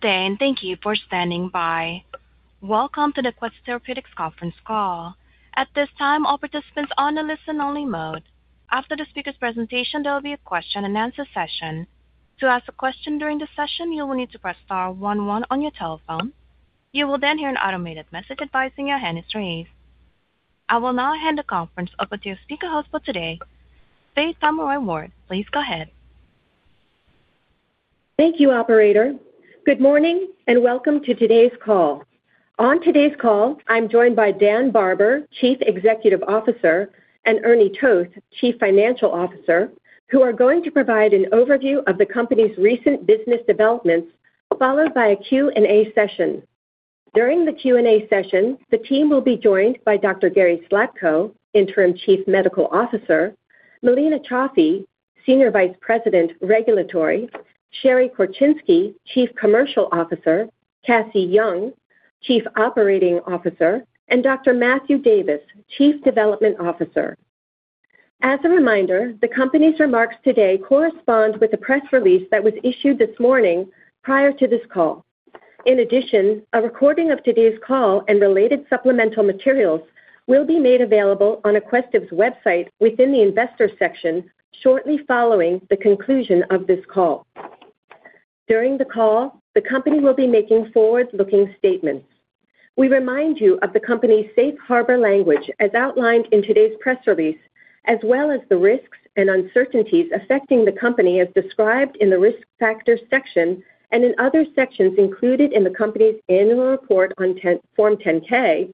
Thank you for standing by. Welcome to the Aquestive Therapeutics Conference Call. At this time, all participants are on a listen-only mode. After the speaker's presentation, there will be a question-and-answer session. To ask a question during the session, you will need to press star one one on your telephone. You will then hear an automated message advising your hand is raised. I will now hand the conference over to your speaker host for today. Faith Pomeroy-Ward, please go ahead. Thank you, operator. Good morning and welcome to today's call. On today's call, I'm joined by Dan Barber, Chief Executive Officer, and Ernie Toth, Chief Financial Officer, who are going to provide an overview of the company's recent business developments, followed by a Q&A session. During the Q&A session, the team will be joined by Dr. Gary Slatko, Interim Chief Medical Officer; Melina Cioffi, Senior Vice President Regulatory; Sherry Korczynski, Chief Commercial Officer; Cassie Jung, Chief Operating Officer; and Dr. Matthew Davis, Chief Development Officer. As a reminder, the company's remarks today correspond with a press release that was issued this morning prior to this call. In addition, a recording of today's call and related supplemental materials will be made available on Aquestive's website within the investor section shortly following the conclusion of this call. During the call, the company will be making forward-looking statements. We remind you of the company's safe harbor language as outlined in today's press release, as well as the risks and uncertainties affecting the company as described in the risk factors section and in other sections included in the company's annual report on Form 10-K,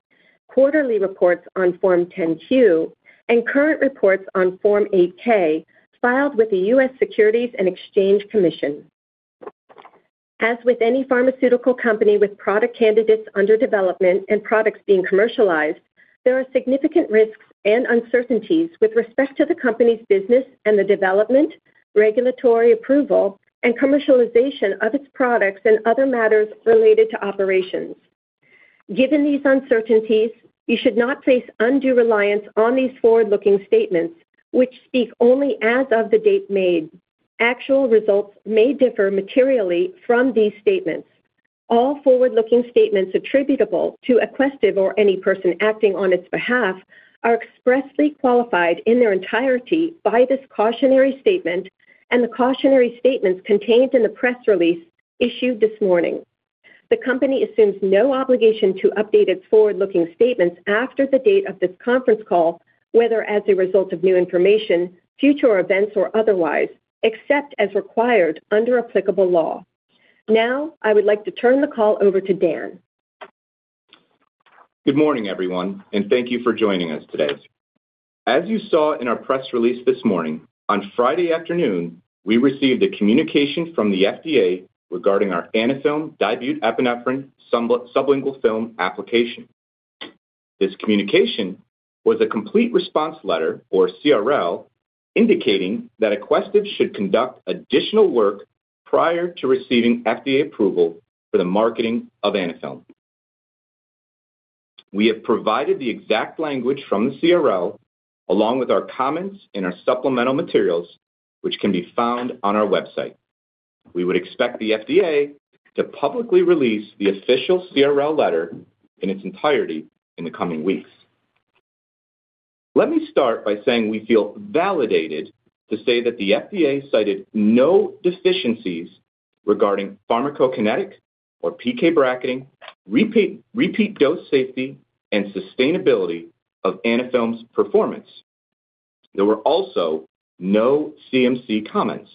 quarterly reports on Form 10-Q, and current reports on Form 8-K filed with the U.S. Securities and Exchange Commission. As with any pharmaceutical company with product candidates under development and products being commercialized, there are significant risks and uncertainties with respect to the company's business and the development, regulatory approval, and commercialization of its products and other matters related to operations. Given these uncertainties, you should not place undue reliance on these forward-looking statements, which speak only as of the date made. Actual results may differ materially from these statements. All forward-looking statements attributable to Aquestive or any person acting on its behalf are expressly qualified in their entirety by this cautionary statement and the cautionary statements contained in the press release issued this morning. The company assumes no obligation to update its forward-looking statements after the date of this conference call, whether as a result of new information, future events, or otherwise, except as required under applicable law. Now, I would like to turn the call over to Dan. Good morning, everyone, and thank you for joining us today. As you saw in our press release this morning, on Friday afternoon, we received a communication from the FDA regarding our Anaphylm Epinephrine Sublingual Film application. This communication was a complete response letter, or CRL, indicating that Aquestive should conduct additional work prior to receiving FDA approval for the marketing of Anaphylm. We have provided the exact language from the CRL along with our comments in our supplemental materials, which can be found on our website. We would expect the FDA to publicly release the official CRL letter in its entirety in the coming weeks. Let me start by saying we feel validated to say that the FDA cited no deficiencies regarding pharmacokinetic or PK bracketing, repeat dose safety, and sustainability of Anaphylm's performance. There were also no CMC comments.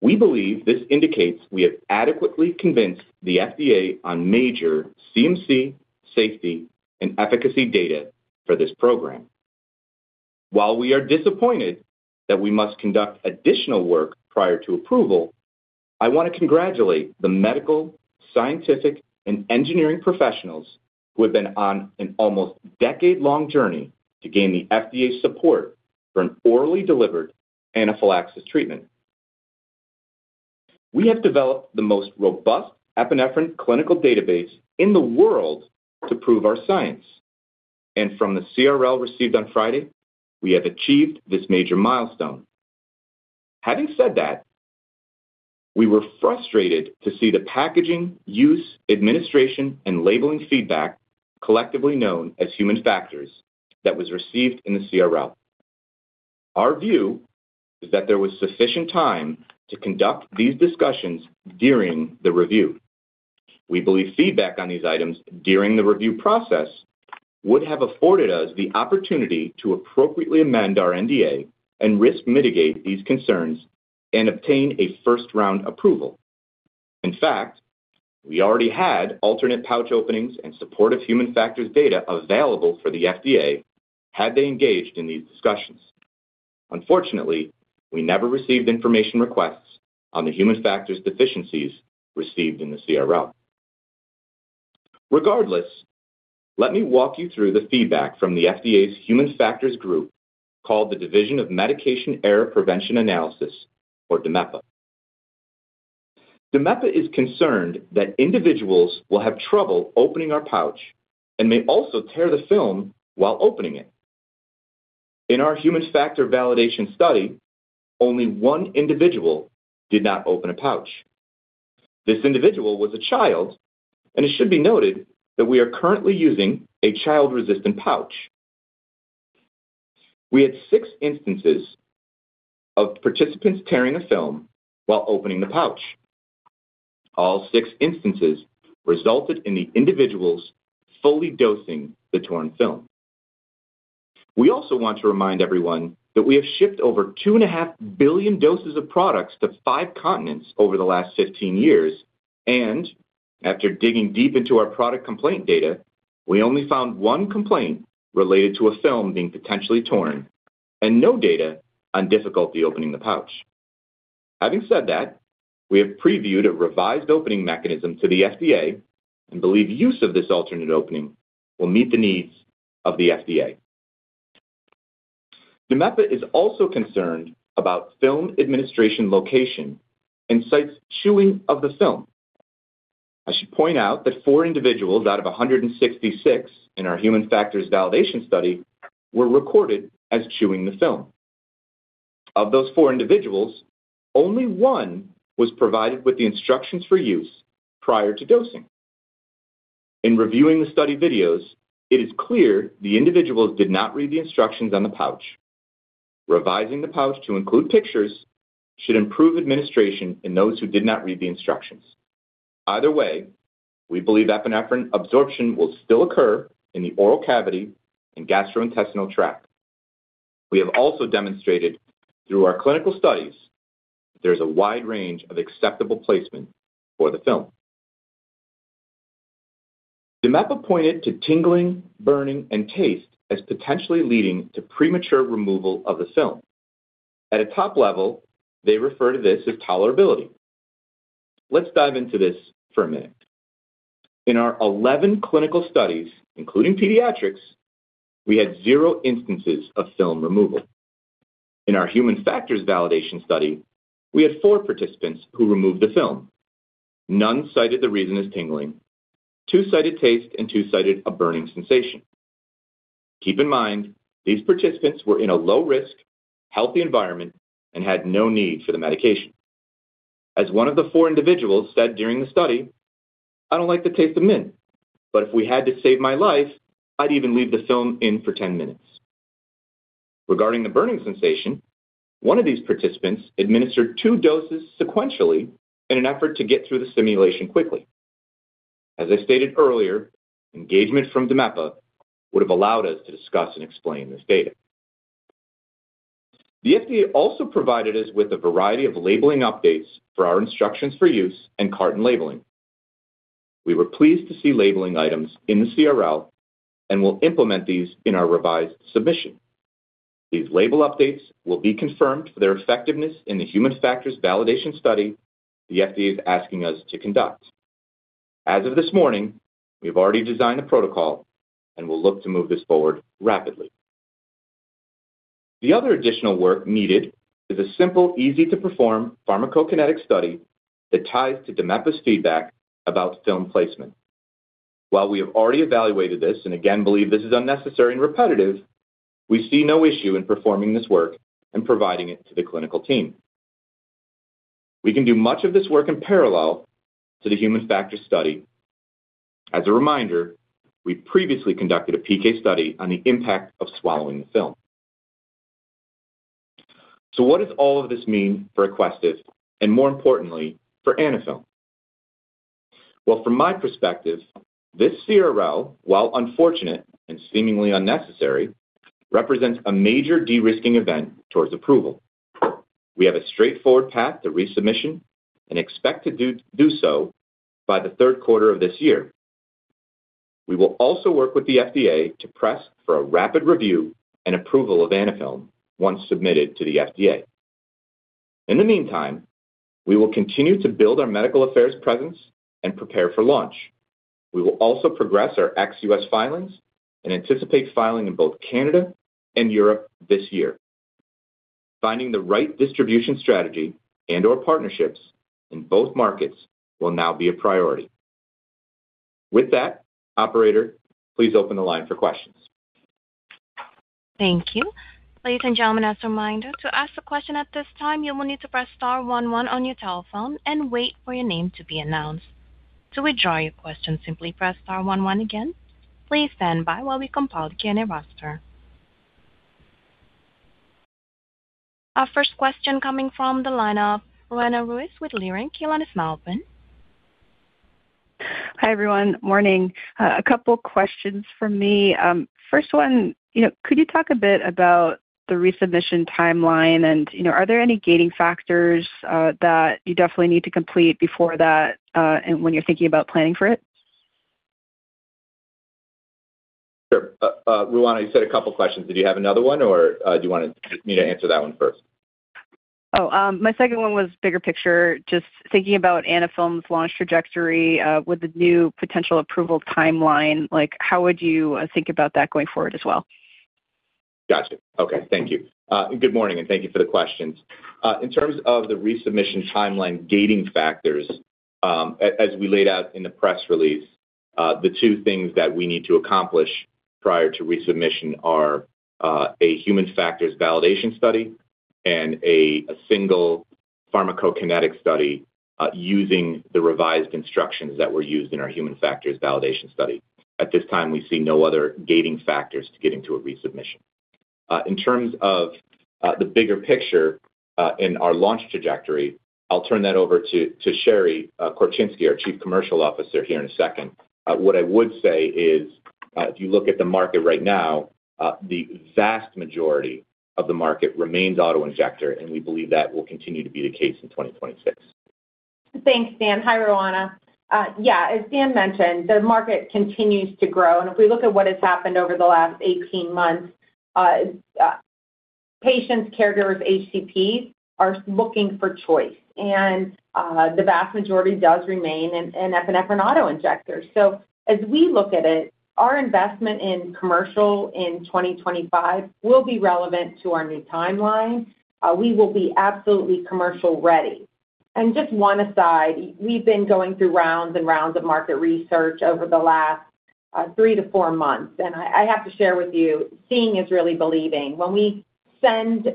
We believe this indicates we have adequately convinced the FDA on major CMC safety and efficacy data for this program. While we are disappointed that we must conduct additional work prior to approval, I want to congratulate the medical, scientific, and engineering professionals who have been on an almost decade-long journey to gain the FDA's support for an orally delivered anaphylaxis treatment. We have developed the most robust epinephrine clinical database in the world to prove our science, and from the CRL received on Friday, we have achieved this major milestone. Having said that, we were frustrated to see the packaging, use, administration, and labeling feedback, collectively known as human factors, that was received in the CRL. Our view is that there was sufficient time to conduct these discussions during the review. We believe feedback on these items during the review process would have afforded us the opportunity to appropriately amend our NDA and risk mitigate these concerns and obtain a first-round approval. In fact, we already had alternate pouch openings and supportive human factors data available for the FDA had they engaged in these discussions. Unfortunately, we never received information requests on the human factors deficiencies received in the CRL. Regardless, let me walk you through the feedback from the FDA's human factors group called the Division of Medication Error Prevention and Analysis, or DMEPA. DMEPA is concerned that individuals will have trouble opening our pouch and may also tear the film while opening it. In our human factors validation study, only one individual did not open a pouch. This individual was a child, and it should be noted that we are currently using a child-resistant pouch. We had six instances of participants tearing a film while opening the pouch. All six instances resulted in the individuals fully dosing the torn film. We also want to remind everyone that we have shipped over 2.5 billion doses of products to five continents over the last 15 years, and after digging deep into our product complaint data, we only found one complaint related to a film being potentially torn and no data on difficulty opening the pouch. Having said that, we have previewed a revised opening mechanism to the FDA and believe use of this alternate opening will meet the needs of the FDA. DMEPA is also concerned about film administration location and sites chewing of the film. I should point out that four individuals out of 166 in our human factors validation study were recorded as chewing the film. Of those four individuals, only one was provided with the instructions for use prior to dosing. In reviewing the study videos, it is clear the individuals did not read the instructions on the pouch. Revising the pouch to include pictures should improve administration in those who did not read the instructions. Either way, we believe epinephrine absorption will still occur in the oral cavity and gastrointestinal tract. We have also demonstrated through our clinical studies that there is a wide range of acceptable placement for the film. DMEPA pointed to tingling, burning, and taste as potentially leading to premature removal of the film. At a top level, they refer to this as tolerability. Let's dive into this for a minute. In our 11 clinical studies, including pediatrics, we had zero instances of film removal. In our human factors validation study, we had four participants who removed the film. None cited the reason as tingling. Two cited taste and two cited a burning sensation. Keep in mind, these participants were in a low-risk, healthy environment and had no need for the medication. As one of the four individuals said during the study, "I don't like the taste of mint, but if we had to save my life, I'd even leave the film in for 10 minutes." Regarding the burning sensation, one of these participants administered two doses sequentially in an effort to get through the simulation quickly. As I stated earlier, engagement from DMEPA would have allowed us to discuss and explain this data. The FDA also provided us with a variety of labeling updates for our instructions for use and carton labeling. We were pleased to see labeling items in the CRL and will implement these in our revised submission. These label updates will be confirmed for their effectiveness in the human factors validation study the FDA is asking us to conduct. As of this morning, we have already designed a protocol and will look to move this forward rapidly. The other additional work needed is a simple, easy-to-perform pharmacokinetic study that ties to DMEPA's feedback about film placement. While we have already evaluated this and again believe this is unnecessary and repetitive, we see no issue in performing this work and providing it to the clinical team. We can do much of this work in parallel to the human factors study. As a reminder, we previously conducted a PK study on the impact of swallowing the film. So what does all of this mean for Aquestive and, more importantly, for Anaphylm? Well, from my perspective, this CRL, while unfortunate and seemingly unnecessary, represents a major de-risking event towards approval. We have a straightforward path to resubmission and expect to do so by the third quarter of this year. We will also work with the FDA to press for a rapid review and approval of Anaphylm once submitted to the FDA. In the meantime, we will continue to build our medical affairs presence and prepare for launch. We will also progress our ex-US filings and anticipate filing in both Canada and Europe this year. Finding the right distribution strategy and/or partnerships in both markets will now be a priority. With that, operator, please open the line for questions. Thank you. Ladies and gentlemen, as a reminder, to ask a question at this time, you will need to press star one one on your telephone and wait for your name to be announced. To withdraw your question, simply press star one one again. Please stand by while we compile the Q&A roster. Our first question coming from the line of Roanna Ruiz with Leerink. The line is now open. Hi, everyone. Morning. A couple of questions from me. First one, could you talk a bit about the resubmission timeline and are there any gating factors that you definitely need to complete before that when you're thinking about planning for it? Sure. Roanna, you said a couple of questions. Did you have another one or do you want me to answer that one first? Oh, my second one was bigger picture. Just thinking about Anaphylm's launch trajectory with the new potential approval timeline, how would you think about that going forward as well? Gotcha. Okay. Thank you. Good morning, and thank you for the questions. In terms of the resubmission timeline gating factors, as we laid out in the press release, the two things that we need to accomplish prior to resubmission are a human factors validation study and a single pharmacokinetic study using the revised instructions that were used in our human factors validation study. At this time, we see no other gating factors to get into a resubmission. In terms of the bigger picture in our launch trajectory, I'll turn that over to Sherry Korczynski, our Chief Commercial Officer here in a second. What I would say is, if you look at the market right now, the vast majority of the market remains autoinjector, and we believe that will continue to be the case in 2026. Thanks, Dan. Hi, Roanna. Yeah, as Dan mentioned, the market continues to grow, and if we look at what has happened over the last 18 months, patients, caregivers, HCPs are looking for choice, and the vast majority does remain in epinephrine auto-injectors. So as we look at it, our investment in commercial in 2025 will be relevant to our new timeline. We will be absolutely commercial-ready. And just one aside, we've been going through rounds and rounds of market research over the last three-four months, and I have to share with you, seeing is really believing. When we send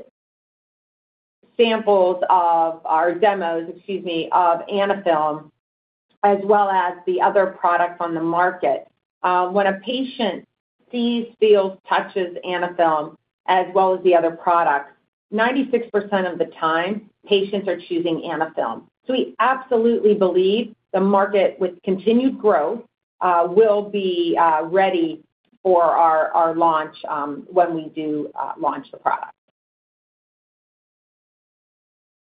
samples of our demos, excuse me, of Anaphylm as well as the other products on the market, when a patient sees, feels, touches Anaphylm as well as the other products, 96% of the time, patients are choosing Anaphylm. We absolutely believe the market, with continued growth, will be ready for our launch when we do launch the product.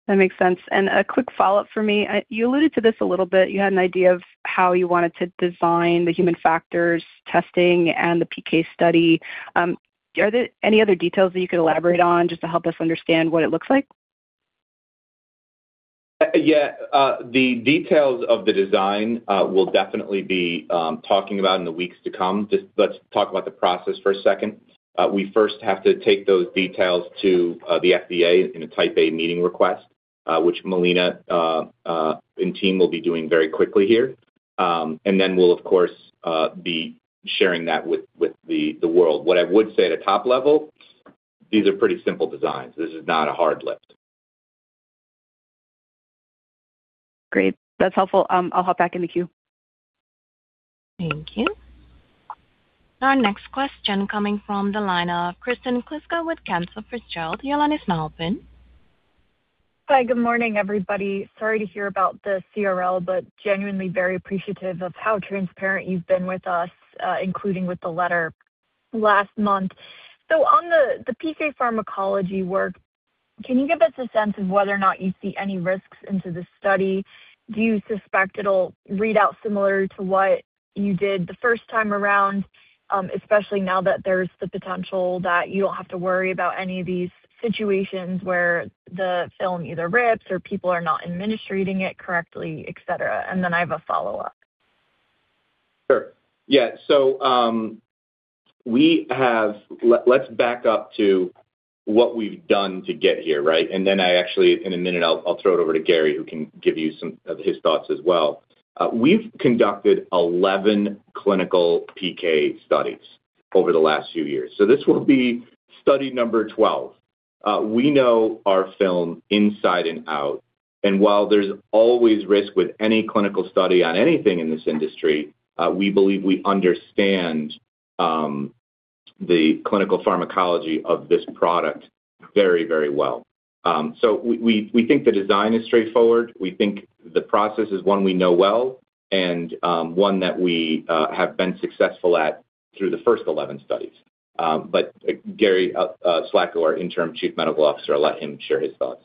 That makes sense. A quick follow-up for me. You alluded to this a little bit. You had an idea of how you wanted to design the human factors testing and the PK study. Are there any other details that you could elaborate on just to help us understand what it looks like? Yeah. The details of the design will definitely be talking about in the weeks to come. Let's talk about the process for a second. We first have to take those details to the FDA in a Type A meeting request, which Melina and team will be doing very quickly here, and then we'll, of course, be sharing that with the world. What I would say at a top level, these are pretty simple designs. This is not a hard lift. Great. That's helpful. I'll hop back in the queue. Thank you. Our next question coming from the line of Kristen Kluska with Cantor Fitzgerald. Your line is now open. Hi. Good morning, everybody. Sorry to hear about the CRL, but genuinely very appreciative of how transparent you've been with us, including with the letter last month. On the PK pharmacology work, can you give us a sense of whether or not you see any risks into this study? Do you suspect it'll read out similar to what you did the first time around, especially now that there's the potential that you don't have to worry about any of these situations where the film either rips or people are not administering it correctly, etc.? And then I have a follow-up. Sure. Yeah. So let's back up to what we've done to get here, right? And then actually, in a minute, I'll throw it over to Gary, who can give you some of his thoughts as well. We've conducted 11 clinical PK studies over the last few years. So this will be study number 12. We know our film inside and out, and while there's always risk with any clinical study on anything in this industry, we believe we understand the clinical pharmacology of this product very, very well. So we think the design is straightforward. We think the process is one we know well and one that we have been successful at through the first 11 studies. But Gary Slatko, our Interim Chief Medical Officer, I'll let him share his thoughts.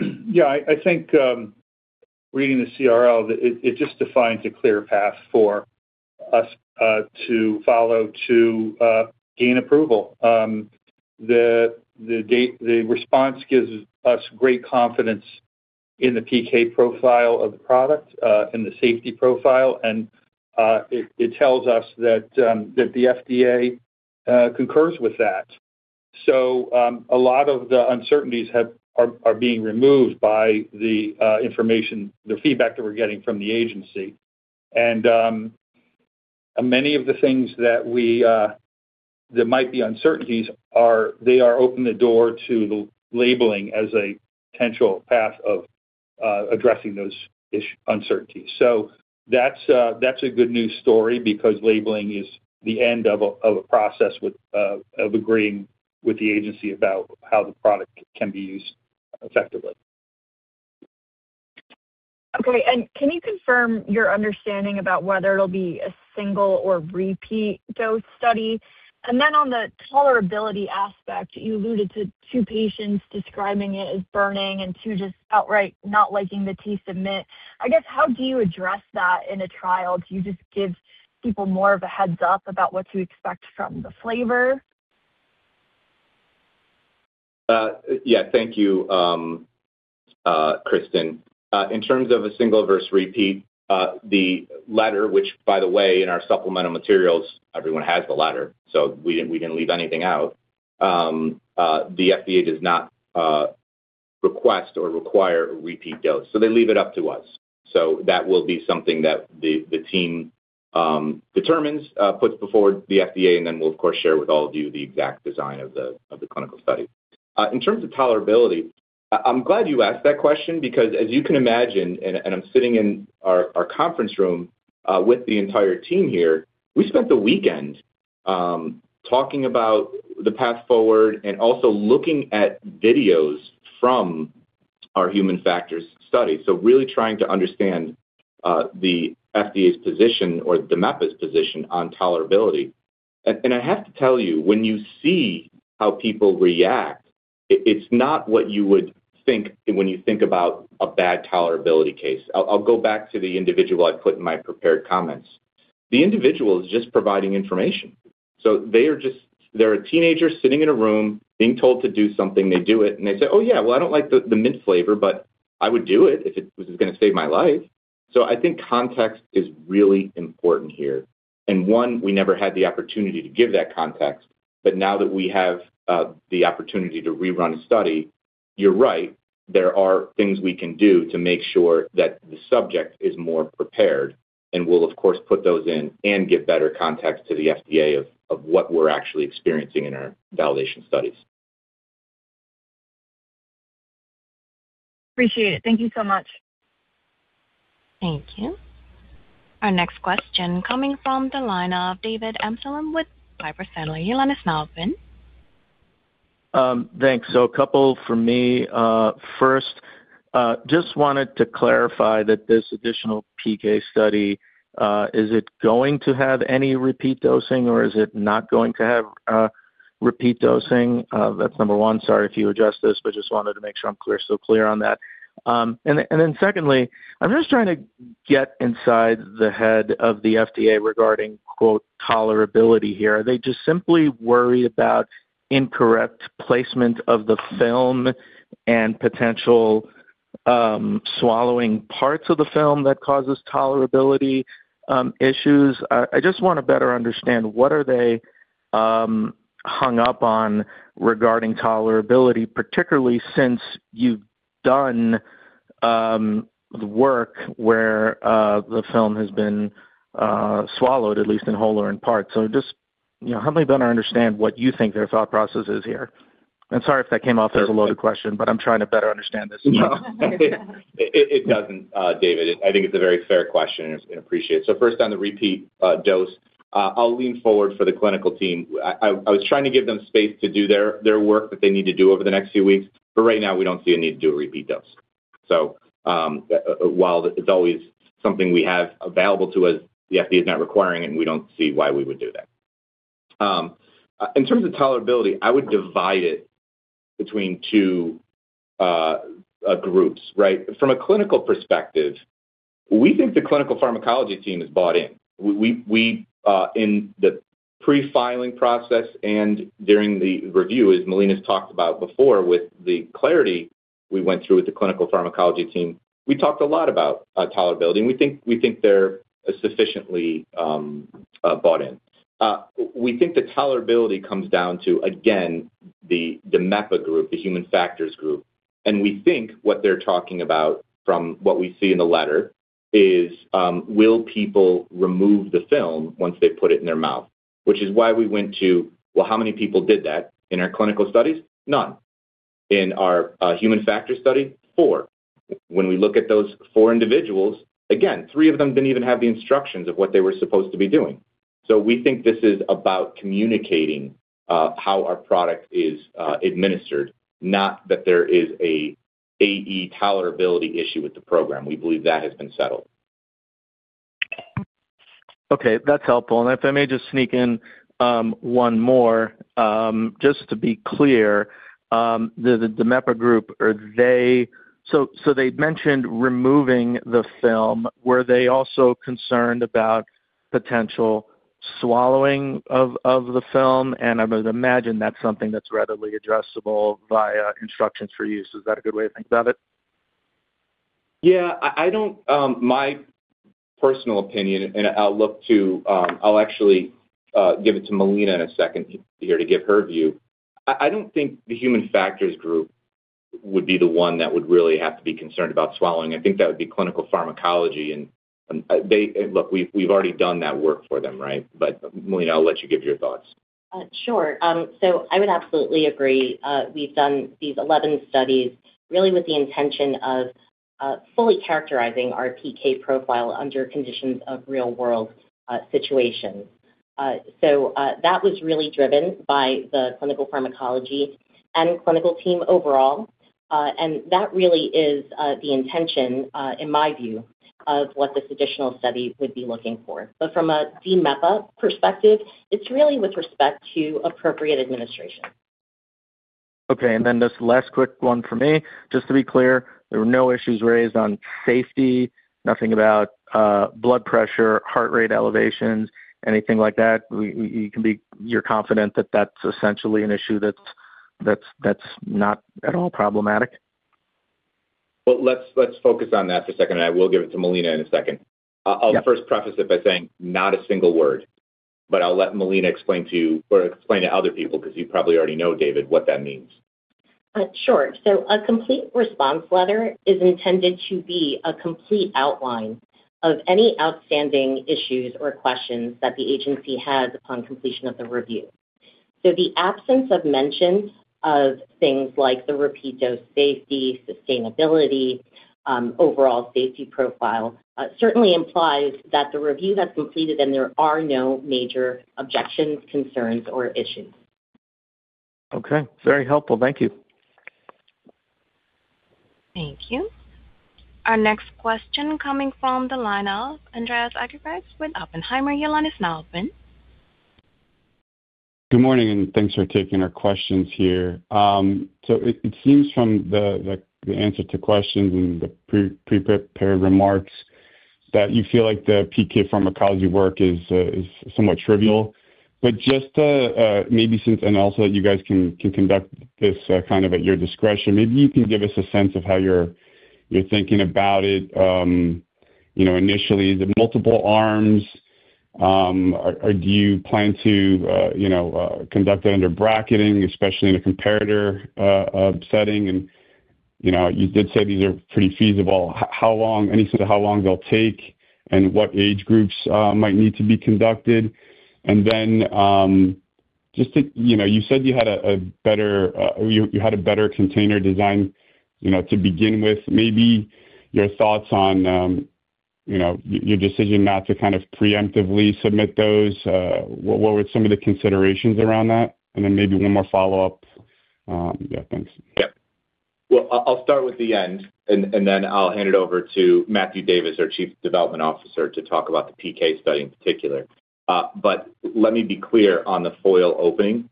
Yeah. I think reading the CRL, it just defines a clear path for us to follow to gain approval. The response gives us great confidence in the PK profile of the product and the safety profile, and it tells us that the FDA concurs with that. So a lot of the uncertainties are being removed by the information, the feedback that we're getting from the agency. And many of the things that might be uncertainties, they are opening the door to the labeling as a potential path of addressing those uncertainties. So that's a good news story because labeling is the end of a process of agreeing with the agency about how the product can be used effectively. Okay. Can you confirm your understanding about whether it'll be a single or repeat dose study? And then on the tolerability aspect, you alluded to two patients describing it as burning and two just outright not liking the taste of mint. I guess, how do you address that in a trial? Do you just give people more of a heads-up about what to expect from the flavor? Yeah. Thank you, Kristen. In terms of a single versus repeat, the ladder, which, by the way, in our supplemental materials, everyone has the ladder, so we didn't leave anything out. The FDA does not request or require a repeat dose. So they leave it up to us. So that will be something that the team determines, puts before the FDA, and then we'll, of course, share with all of you the exact design of the clinical study. In terms of tolerability, I'm glad you asked that question because, as you can imagine, and I'm sitting in our conference room with the entire team here, we spent the weekend talking about the path forward and also looking at videos from our human factors study, so really trying to understand the FDA's position or DMEPA's position on tolerability. I have to tell you, when you see how people react, it's not what you would think when you think about a bad tolerability case. I'll go back to the individual I put in my prepared comments. The individual is just providing information. So they are a teenager sitting in a room being told to do something. They do it, and they say, "Oh, yeah. Well, I don't like the mint flavor, but I would do it if it was going to save my life." So I think context is really important here. And one, we never had the opportunity to give that context, but now that we have the opportunity to rerun a study, you're right, there are things we can do to make sure that the subject is more prepared and will, of course, put those in and give better context to the FDA of what we're actually experiencing in our validation studies. Appreciate it. Thank you so much. Thank you. Our next question coming from the line of David Amsellem with Piper Sandler. The line is now open. Thanks. So a couple for me. First, just wanted to clarify that this additional PK study, is it going to have any repeat dosing or is it not going to have repeat dosing? That's number one. Sorry if you asked this, but just wanted to make sure I'm still clear on that. And then secondly, I'm just trying to get inside the head of the FDA regarding, quote, "tolerability" here. Are they just simply worried about incorrect placement of the film and potential swallowing parts of the film that causes tolerability issues? I just want to better understand what are they hung up on regarding tolerability, particularly since you've done the work where the film has been swallowed, at least in whole or in part. So just help me better understand what you think their thought process is here. Sorry if that came off as a loaded question, but I'm trying to better understand this as well. It doesn't, David. I think it's a very fair question and appreciate it. So first on the repeat dose, I'll lean forward for the clinical team. I was trying to give them space to do their work that they need to do over the next few weeks, but right now, we don't see a need to do a repeat dose. So while it's always something we have available to us, the FDA is not requiring it, and we don't see why we would do that. In terms of tolerability, I would divide it between two groups, right? From a clinical perspective, we think the clinical pharmacology team is bought in. In the pre-filing process and during the review, as Melina's talked about before, with the clarity we went through with the clinical pharmacology team, we talked a lot about tolerability, and we think they're sufficiently bought in. We think the tolerability comes down to, again, the DMEPA group, the human factors group, and we think what they're talking about from what we see in the letter is, "Will people remove the film once they put it in their mouth?" which is why we went to, "Well, how many people did that in our clinical studies? None. In our human factors study, four." When we look at those four individuals, again, three of them didn't even have the instructions of what they were supposed to be doing. So we think this is about communicating how our product is administered, not that there is an AE tolerability issue with the program. We believe that has been settled. Okay. That's helpful. And if I may just sneak in one more, just to be clear, the DMEPA group, are they so they mentioned removing the film. Were they also concerned about potential swallowing of the film? And I would imagine that's something that's readily addressable via instructions for use. Is that a good way to think about it? Yeah. My personal opinion, and I'll actually give it to Melina in a second here to give her view. I don't think the human factors group would be the one that would really have to be concerned about swallowing. I think that would be clinical pharmacology. And look, we've already done that work for them, right? But Melina, I'll let you give your thoughts. Sure. So I would absolutely agree. We've done these 11 studies really with the intention of fully characterizing our PK profile under conditions of real-world situations. So that was really driven by the clinical pharmacology and clinical team overall, and that really is the intention, in my view, of what this additional study would be looking for. But from a DMEPA perspective, it's really with respect to appropriate administration. Okay. And then just last quick one for me. Just to be clear, there were no issues raised on safety, nothing about blood pressure, heart rate elevations, anything like that. You can be confident that that's essentially an issue that's not at all problematic. Well, let's focus on that for a second, and I will give it to Melina in a second. I'll first preface it by saying not a single word, but I'll let Melina explain to you or explain to other people because you probably already know, David, what that means. Sure. So a Complete Response Letter is intended to be a complete outline of any outstanding issues or questions that the agency has upon completion of the review. So the absence of mention of things like the repeat dose safety, sustainability, overall safety profile certainly implies that the review has completed and there are no major objections, concerns, or issues. Okay. Very helpful. Thank you. Thank you. Our next question coming from the line of Andreas Argyrides with Oppenheimer. Your line is now open. Good morning, and thanks for taking our questions here. So it seems from the answer to questions and the pre-prepared remarks that you feel like the PK pharmacology work is somewhat trivial. But just maybe since and also that you guys can conduct this kind of at your discretion, maybe you can give us a sense of how you're thinking about it initially. Is it multiple arms? Do you plan to conduct it under bracketing, especially in a comparator setting? And you did say these are pretty feasible. Any sense of how long they'll take and what age groups might need to be conducted? And then just to you said you had a better you had a better container design to begin with. Maybe your thoughts on your decision not to kind of preemptively submit those. What were some of the considerations around that? And then maybe one more follow-up. Yeah. Thanks. Yeah. Well, I'll start with the end, and then I'll hand it over to Matthew Davis, our Chief Development Officer, to talk about the PK study in particular. But let me be clear on the foil opening.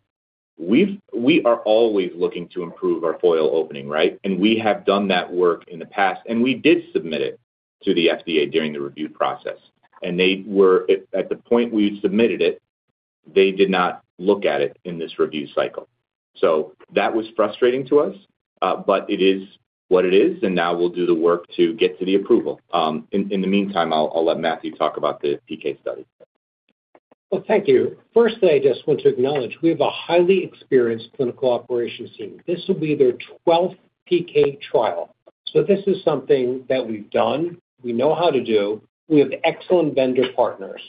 We are always looking to improve our foil opening, right? And we have done that work in the past, and we did submit it to the FDA during the review process. And at the point we submitted it, they did not look at it in this review cycle. So that was frustrating to us, but it is what it is, and now we'll do the work to get to the approval. In the meantime, I'll let Matthew talk about the PK study. Well, thank you. First, I just want to acknowledge we have a highly experienced clinical operations team. This will be their 12th PK trial. So this is something that we've done. We know how to do. We have excellent vendor partners.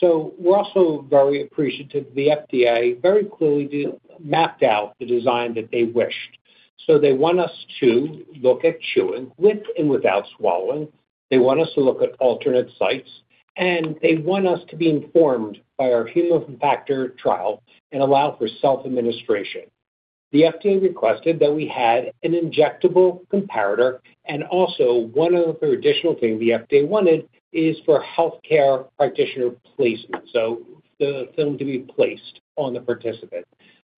So we're also very appreciative that the FDA very clearly mapped out the design that they wished. So they want us to look at chewing with and without swallowing. They want us to look at alternate sites, and they want us to be informed by our human factors trial and allow for self-administration. The FDA requested that we had an injectable comparator. And also one other additional thing the FDA wanted is for healthcare practitioner placement, so the film to be placed on the participant.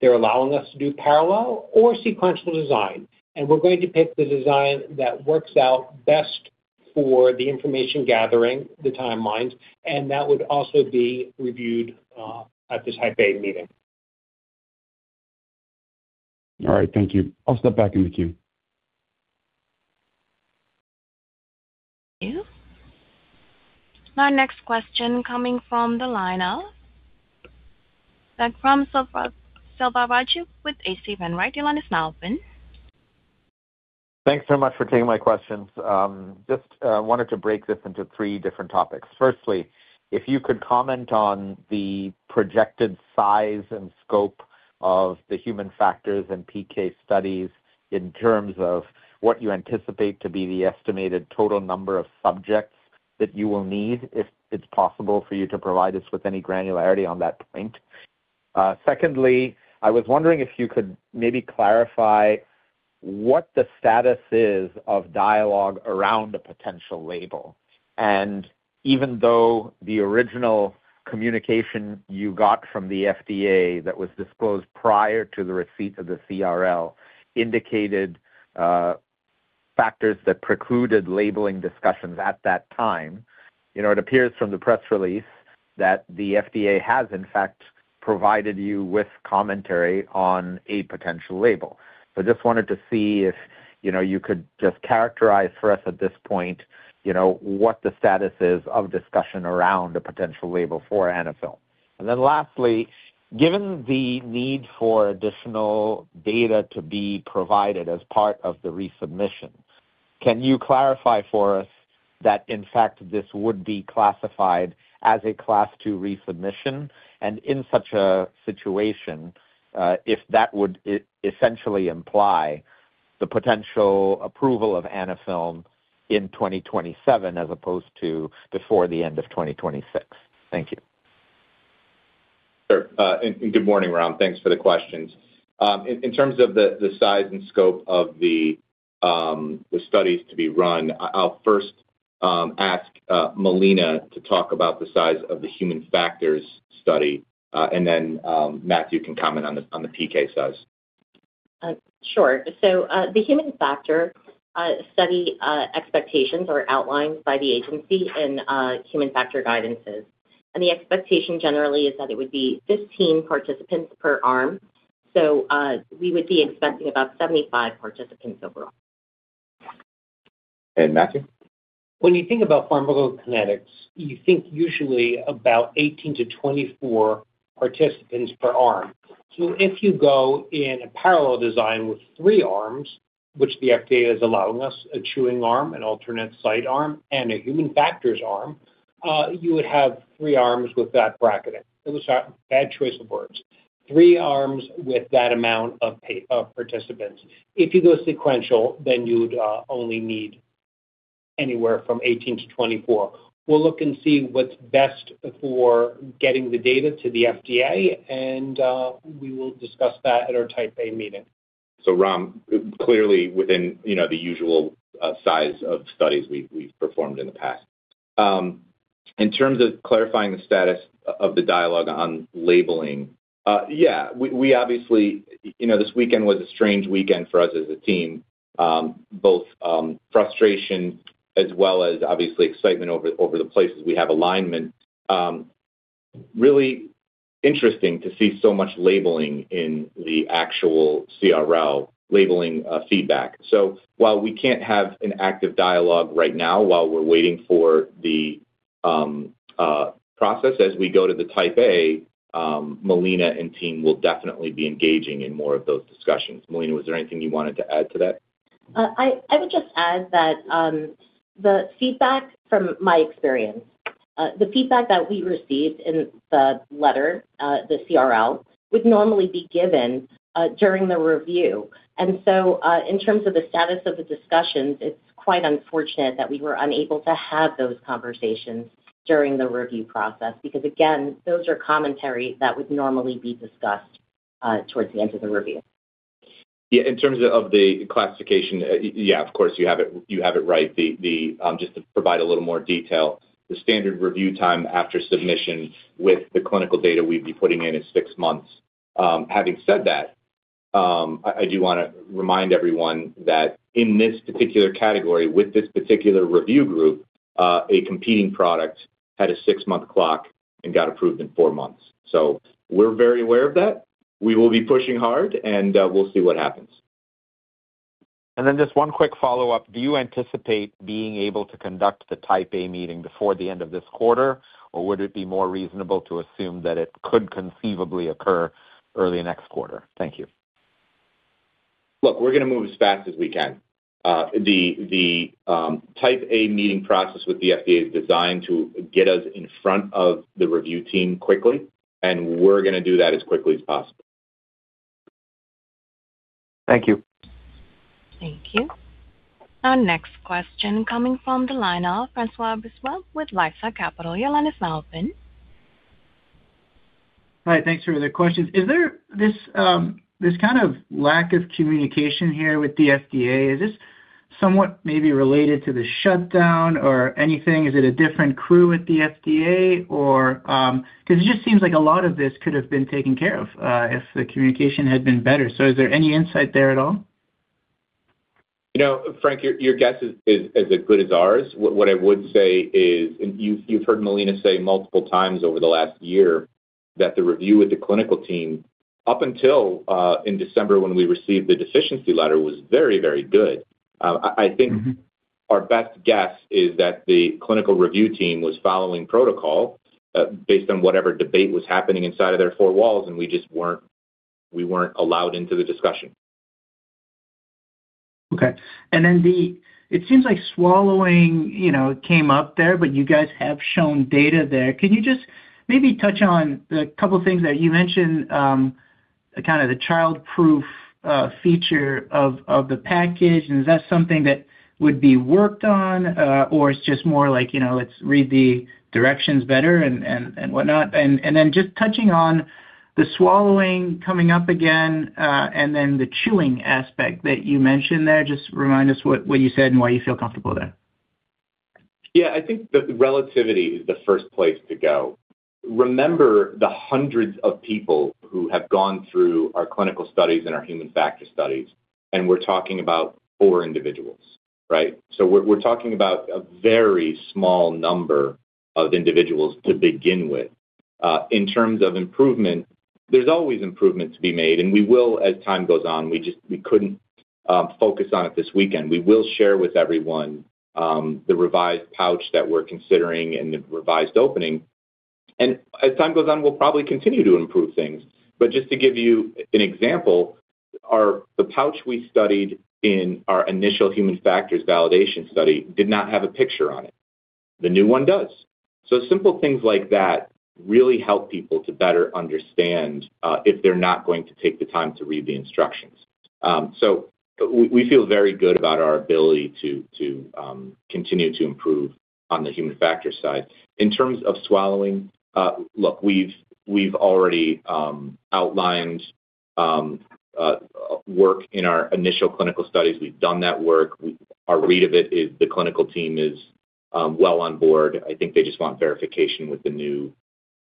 They're allowing us to do parallel or sequential design, and we're going to pick the design that works out best for the information gathering, the timelines, and that would also be reviewed at the Type A meeting. All right. Thank you. I'll step back in the queue. Thank you. Our next question coming from the line of Raghuram Selvaraju with H.C. Wainwright, right? Your line is now open. Thanks so much for taking my questions. Just wanted to break this into three different topics. Firstly, if you could comment on the projected size and scope of the human factors and PK studies in terms of what you anticipate to be the estimated total number of subjects that you will need, if it's possible for you to provide us with any granularity on that point. Secondly, I was wondering if you could maybe clarify what the status is of dialogue around a potential label? And even though the original communication you got from the FDA that was disclosed prior to the receipt of the CRL indicated factors that precluded labeling discussions at that time, it appears from the press release that the FDA has, in fact, provided you with commentary on a potential label. So I just wanted to see if you could just characterize for us at this point what the status is of discussion around a potential label for Anaphylm. And then lastly, given the need for additional data to be provided as part of the resubmission, can you clarify for us that, in fact, this would be classified as a Class 2 resubmission? And in such a situation, if that would essentially imply the potential approval of Anaphylm in 2027 as opposed to before the end of 2026? Thank you. Sure. And good morning, Ram. Thanks for the questions. In terms of the size and scope of the studies to be run, I'll first ask Melina to talk about the size of the human factors study, and then Matthew can comment on the PK size. Sure. The human factors study expectations are outlined by the agency in human factors guidances. The expectation generally is that it would be 15 participants per arm. We would be expecting about 75 participants overall. And Matthew? When you think about pharmacokinetics, you think usually about 18-24 participants per arm. So if you go in a parallel design with three arms, which the FDA is allowing us, a chewing arm, an alternate site arm, and a human factors arm, you would have three arms with that bracketing. It was a bad choice of words. Three arms with that amount of participants. If you go sequential, then you'd only need anywhere from 18-24. We'll look and see what's best for getting the data to the FDA, and we will discuss that at our Type A meeting. So Ram, clearly within the usual size of studies we've performed in the past. In terms of clarifying the status of the dialogue on labeling, yeah, we obviously this weekend was a strange weekend for us as a team, both frustration as well as obviously excitement over the places we have alignment. Really interesting to see so much labeling in the actual CRL, labeling feedback. So while we can't have an active dialogue right now while we're waiting for the process, as we go to the Type A, Melina and team will definitely be engaging in more of those discussions. Melina, was there anything you wanted to add to that? I would just add that the feedback from my experience, the feedback that we received in the letter, the CRL, would normally be given during the review. And so in terms of the status of the discussions, it's quite unfortunate that we were unable to have those conversations during the review process because, again, those are commentary that would normally be discussed towards the end of the review. Yeah. In terms of the classification, yeah, of course, you have it right. Just to provide a little more detail, the standard review time after submission with the clinical data we'd be putting in is six months. Having said that, I do want to remind everyone that in this particular category, with this particular review group, a competing product had a six-month clock and got approved in four months. So we're very aware of that. We will be pushing hard, and we'll see what happens. And then just one quick follow-up. Do you anticipate being able to conduct the Type A meeting before the end of this quarter, or would it be more reasonable to assume that it could conceivably occur early next quarter? Thank you. Look, we're going to move as fast as we can. The Type A meeting process with the FDA is designed to get us in front of the review team quickly, and we're going to do that as quickly as possible. Thank you. Thank you. Our next question coming from the line of François Brisebois with LifeSci Capital. Your line is now open. Hi. Thanks for the questions. Is there this kind of lack of communication here with the FDA? Is this somewhat maybe related to the shutdown or anything? Is it a different crew at the FDA? Because it just seems like a lot of this could have been taken care of if the communication had been better. So is there any insight there at all? Frank, your guess is as good as ours. What I would say is and you've heard Melina say multiple times over the last year that the review with the clinical team up until in December when we received the deficiency letter was very, very good. I think our best guess is that the clinical review team was following protocol based on whatever debate was happening inside of their four walls, and we just weren't allowed into the discussion. Okay. Then it seems like swallowing came up there, but you guys have shown data there. Can you just maybe touch on a couple of things that you mentioned, kind of the childproof feature of the package? Is that something that would be worked on, or it's just more like, "Let's read the directions better," and whatnot? Then just touching on the swallowing coming up again and then the chewing aspect that you mentioned there, just remind us what you said and why you feel comfortable there. Yeah. I think the relativity is the first place to go. Remember the hundreds of people who have gone through our clinical studies and our human factors studies, and we're talking about four individuals, right? So we're talking about a very small number of individuals to begin with. In terms of improvement, there's always improvement to be made, and we will as time goes on. We couldn't focus on it this weekend. We will share with everyone the revised pouch that we're considering and the revised opening. And as time goes on, we'll probably continue to improve things. But just to give you an example, the pouch we studied in our initial human factors validation study did not have a picture on it. The new one does. So simple things like that really help people to better understand if they're not going to take the time to read the instructions. So we feel very good about our ability to continue to improve on the human factors side. In terms of swallowing, look, we've already outlined work in our initial clinical studies. We've done that work. Our read of it is the clinical team is well on board. I think they just want verification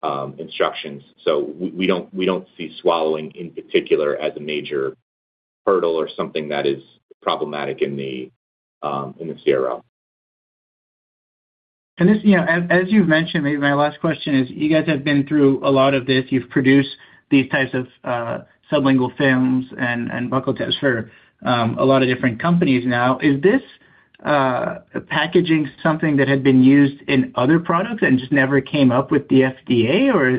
with the new instructions. So we don't see swallowing in particular as a major hurdle or something that is problematic in the CRL. As you've mentioned, maybe my last question is, you guys have been through a lot of this. You've produced these types of sublingual films and buccal tabs for a lot of different companies now. Is this packaging something that had been used in other products and just never came up with the FDA, or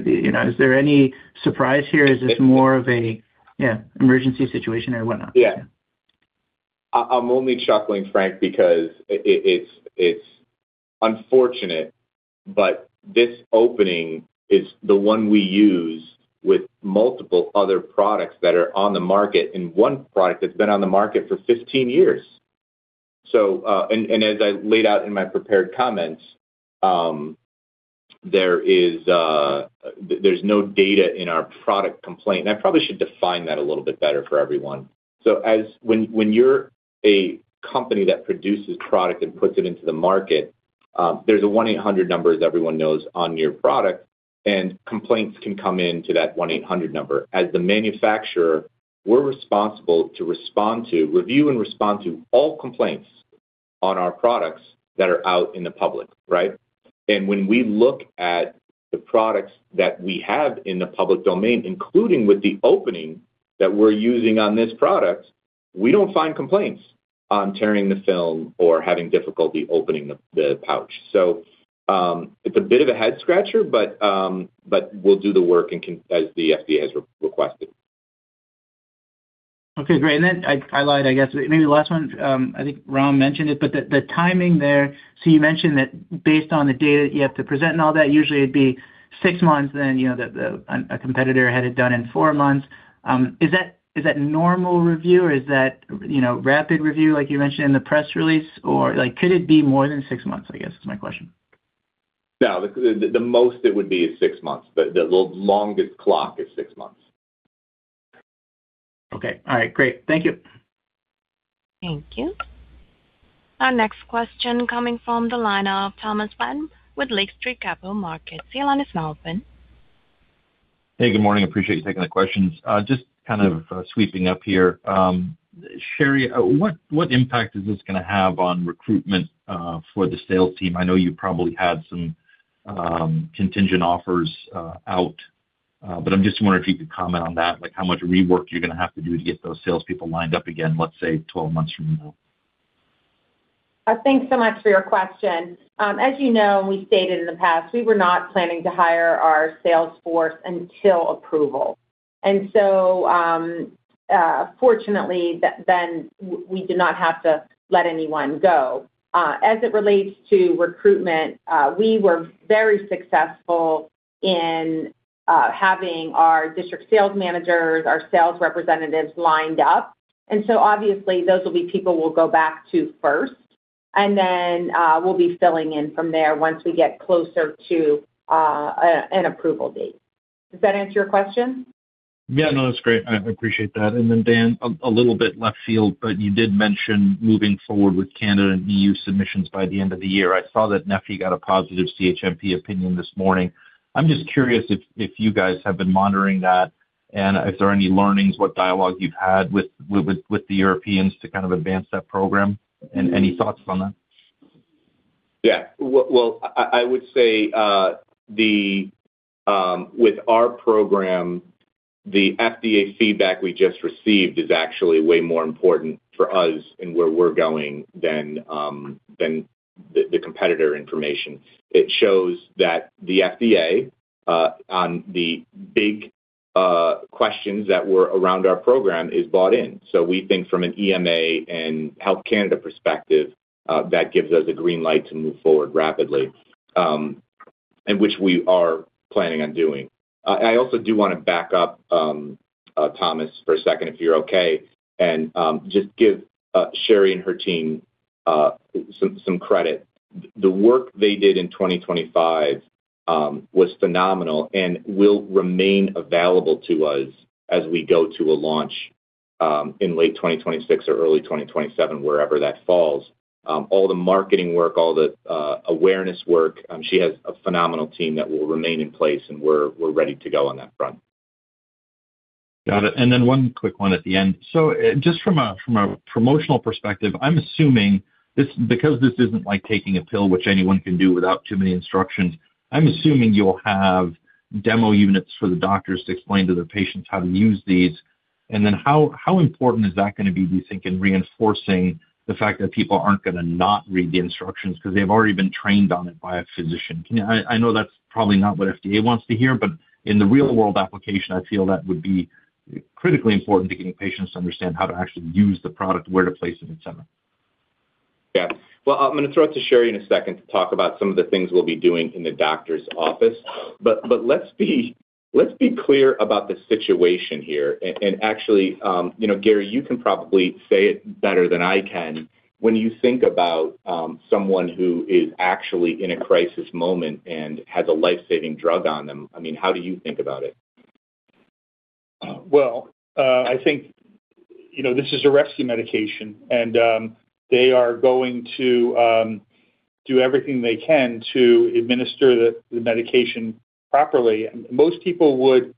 is there any surprise here? Is this more of a, yeah, emergency situation or whatnot? Yeah. I'm only chuckling, Frank, because it's unfortunate, but this opening is the one we use with multiple other products that are on the market and one product that's been on the market for 15 years. And as I laid out in my prepared comments, there's no data in our product complaint. And I probably should define that a little bit better for everyone. So when you're a company that produces product and puts it into the market, there's a 1-800 number as everyone knows on your product, and complaints can come into that 1-800 number. As the manufacturer, we're responsible to review and respond to all complaints on our products that are out in the public, right? When we look at the products that we have in the public domain, including with the opening that we're using on this product, we don't find complaints on tearing the film or having difficulty opening the pouch. It's a bit of a head-scratcher, but we'll do the work as the FDA has requested. Okay. Great. And then I'll add, I guess, maybe last one. I think Ram mentioned it, but the timing there. So you mentioned that based on the data that you have to present and all that, usually it'd be six months, then a competitor had it done in four months. Is that normal review, or is that rapid review like you mentioned in the press release, or could it be more than six months? I guess is my question. No. The most it would be is six months. The longest clock is six months. Okay. All right. Great. Thank you. Thank you. Our next question coming from the line of Thomas Flaten with Lake Street Capital Markets. Your line is now open. Hey. Good morning. Appreciate you taking the questions. Just kind of sweeping up here. Sherry, what impact is this going to have on recruitment for the sales team? I know you probably had some contingent offers out, but I'm just wondering if you could comment on that, how much rework you're going to have to do to get those salespeople lined up again, let's say, 12 months from now? Thanks so much for your question. As you know, and we stated in the past, we were not planning to hire our salesforce until approval. And so fortunately, then we did not have to let anyone go. As it relates to recruitment, we were very successful in having our district sales managers, our sales representatives lined up. And so obviously, those will be people we'll go back to first, and then we'll be filling in from there once we get closer to an approval date. Does that answer your question? Yeah. No, that's great. I appreciate that. And then Dan, a little bit left field, but you did mention moving forward with Canada and EU. submissions by the end of the year. I saw that neffy got a positive CHMP opinion this morning. I'm just curious if you guys have been monitoring that and if there are any learnings, what dialogue you've had with the Europeans to kind of advance that program, and any thoughts on that? Yeah. Well, I would say with our program, the FDA feedback we just received is actually way more important for us and where we're going than the competitor information. It shows that the FDA on the big questions that were around our program is bought in. So we think from an EMA and Health Canada perspective, that gives us a green light to move forward rapidly, and which we are planning on doing. I also do want to back up Thomas for a second if you're okay and just give Sherry and her team some credit. The work they did in 2025 was phenomenal and will remain available to us as we go to a launch in late 2026 or early 2027, wherever that falls. All the marketing work, all the awareness work, she has a phenomenal team that will remain in place, and we're ready to go on that front. Got it. And then one quick one at the end. So just from a promotional perspective, I'm assuming because this isn't like taking a pill, which anyone can do without too many instructions, I'm assuming you'll have demo units for the doctors to explain to their patients how to use these. And then how important is that going to be, do you think, in reinforcing the fact that people aren't going to not read the instructions because they've already been trained on it by a physician? I know that's probably not what FDA wants to hear, but in the real-world application, I feel that would be critically important to getting patients to understand how to actually use the product, where to place it, etc. Yeah. Well, I'm going to throw it to Sherry in a second to talk about some of the things we'll be doing in the doctor's office. But let's be clear about the situation here. And actually, Gary, you can probably say it better than I can. When you think about someone who is actually in a crisis moment and has a lifesaving drug on them, I mean, how do you think about it? Well, I think this is a rescue medication, and they are going to do everything they can to administer the medication properly. Most people would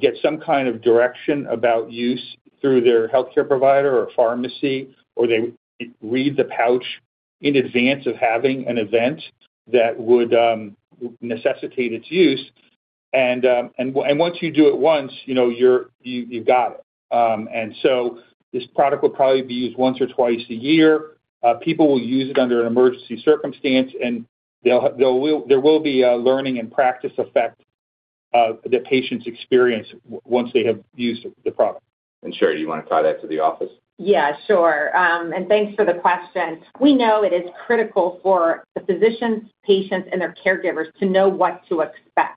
get some kind of direction about use through their healthcare provider or pharmacy, or they read the pouch in advance of having an event that would necessitate its use. And once you do it once, you've got it. And so this product would probably be used once or twice a year. People will use it under an emergency circumstance, and there will be a learning and practice effect that patients experience once they have used the product. Sherry, do you want to tie that to the office? Yeah. Sure. Thanks for the question. We know it is critical for the physicians, patients, and their caregivers to know what to expect.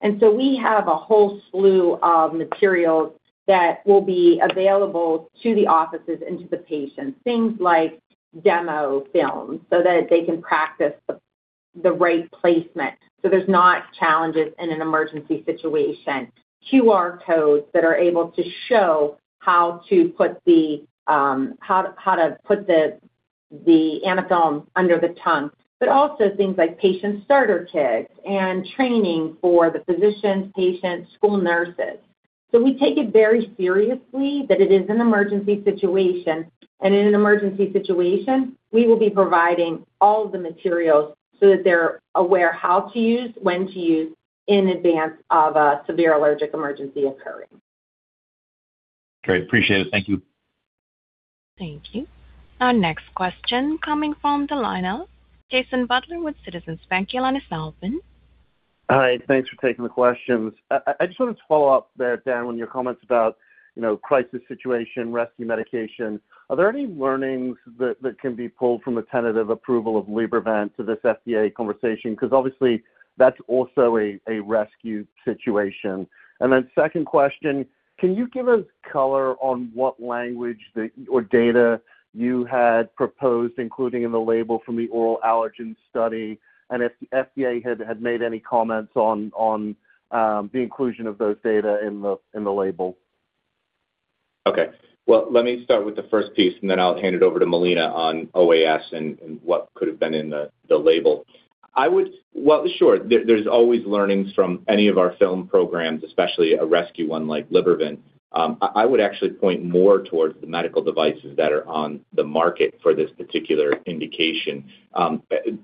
And so we have a whole slew of materials that will be available to the offices and to the patients, things like demo films so that they can practice the right placement so there's not challenges in an emergency situation, QR codes that are able to show how to put the Anaphylm under the tongue, but also things like patient starter kits and training for the physicians, patients, school nurses. So we take it very seriously that it is an emergency situation, and in an emergency situation, we will be providing all of the materials so that they're aware how to use, when to use, in advance of a severe allergic emergency occurring. Great. Appreciate it. Thank you. Thank you. Our next question coming from the line of Jason Butler with Citizens Bank. The line is now open. Hi. Thanks for taking the questions. I just wanted to follow up there, Dan, on your comments about crisis situation, rescue medication. Are there any learnings that can be pulled from the tentative approval of Libervant to this FDA conversation? Because obviously, that's also a rescue situation. And then second question, can you give us color on what language or data you had proposed, including in the label from the oral allergy study, and if the FDA had made any comments on the inclusion of those data in the label? Okay. Well, let me start with the first piece, and then I'll hand it over to Melina on OAS and what could have been in the label. Well, sure. There's always learnings from any of our film programs, especially a rescue one like Libervant. I would actually point more towards the medical devices that are on the market for this particular indication.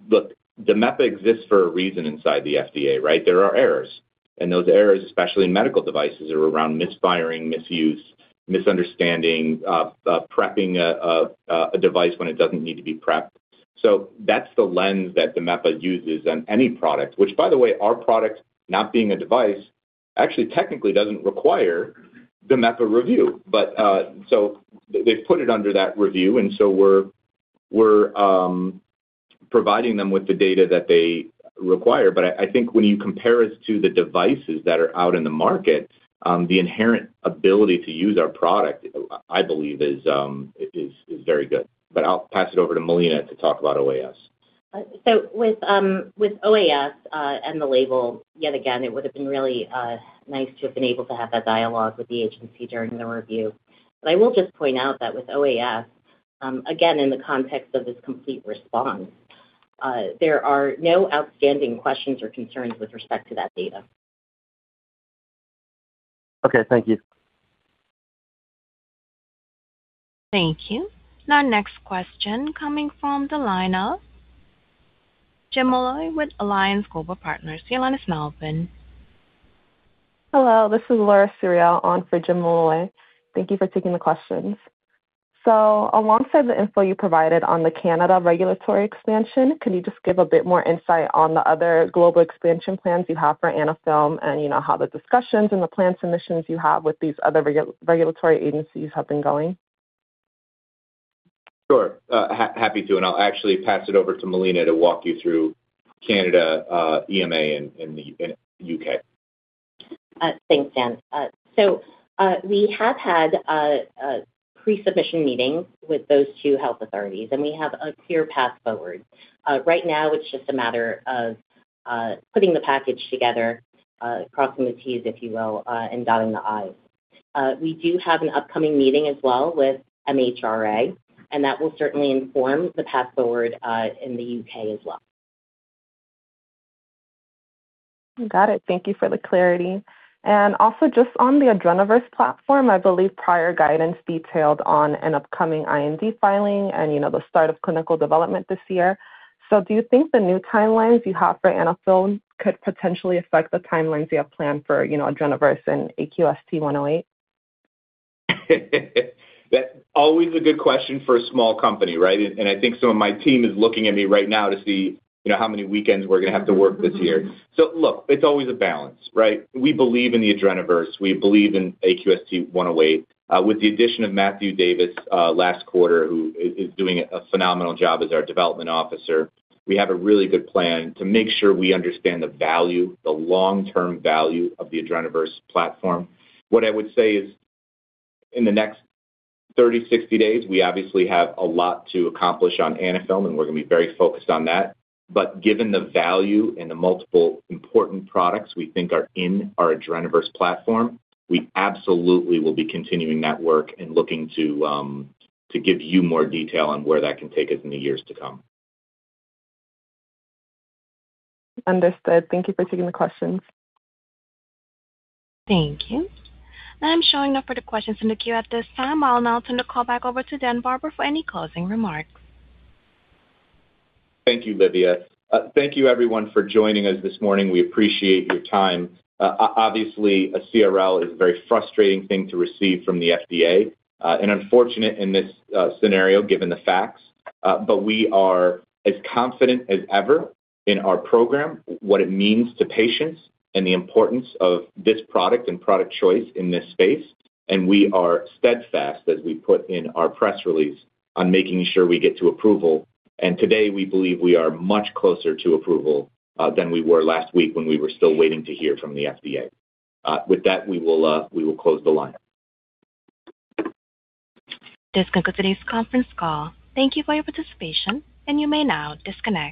Look, the DMEPA exists for a reason inside the FDA, right? There are errors. And those errors, especially in medical devices, are around misfiring, misuse, misunderstanding, prepping a device when it doesn't need to be prepped. So that's the lens that the DMEPA uses on any product, which, by the way, our product, not being a device, actually technically doesn't require the DMEPA review. So they've put it under that review, and so we're providing them with the data that they require. But I think when you compare us to the devices that are out in the market, the inherent ability to use our product, I believe, is very good. But I'll pass it over to Melina to talk about OAS. So with OAS and the label, yet again, it would have been really nice to have been able to have that dialogue with the agency during the review. But I will just point out that with OAS, again, in the context of this complete response, there are no outstanding questions or concerns with respect to that data. Okay. Thank you. Thank you. Our next question coming from the line of Jim Molloy with Alliance Global Partners. Your line is now open. Hello. This is Laura Suriel on for Jim Molloy. Thank you for taking the questions. So alongside the info you provided on the Canada regulatory expansion, can you just give a bit more insight on the other global expansion plans you have for Anaphylm and how the discussions and the plan submissions you have with these other regulatory agencies have been going? Sure. Happy to. I'll actually pass it over to Melina to walk you through Canada, EMA, and the U.K. Thanks, Dan. So we have had a pre-submission meeting with those two health authorities, and we have a clear path forward. Right now, it's just a matter of putting the package together, crossing the Ts, if you will, and dotting the i's. We do have an upcoming meeting as well with MHRA, and that will certainly inform the path forward in the U.K. as well. Got it. Thank you for the clarity. And also just on the AdrenaVerse platform, I believe prior guidance detailed on an upcoming IND filing and the start of clinical development this year. So do you think the new timelines you have for Anaphylm could potentially affect the timelines you have planned for AdrenaVerse and AQST-108? That's always a good question for a small company, right? And I think some of my team is looking at me right now to see how many weekends we're going to have to work this year. So look, it's always a balance, right? We believe in the AdrenaVerse. We believe in AQST-108. With the addition of Matthew Davis last quarter, who is doing a phenomenal job as our development officer, we have a really good plan to make sure we understand the value, the long-term value of the AdrenaVerse platform. What I would say is in the next 30, 60 days, we obviously have a lot to accomplish on Anaphylm, and we're going to be very focused on that. But given the value and the multiple important products we think are in our AdrenaVerse platform, we absolutely will be continuing that work and looking to give you more detail on where that can take us in the years to come. Understood. Thank you for taking the questions. Thank you. I'm showing no further questions in the queue at this time. I'll now turn the call back over to Dan Barber for any closing remarks. Thank you, Livia. Thank you, everyone, for joining us this morning. We appreciate your time. Obviously, a CRL is a very frustrating thing to receive from the FDA and unfortunate in this scenario given the facts. But we are as confident as ever in our program, what it means to patients, and the importance of this product and product choice in this space. And we are steadfast as we put in our press release on making sure we get to approval. And today, we believe we are much closer to approval than we were last week when we were still waiting to hear from the FDA. With that, we will close the line. This concludes today's conference call. Thank you for your participation, and you may now disconnect.